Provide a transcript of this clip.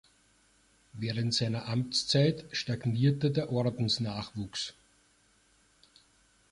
Während seiner Amtszeit stagnierte der Ordensnachwuchs.